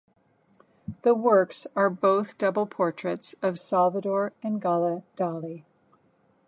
The works are both double portraits of Salvador and Gala Dali.